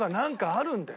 あるんだ。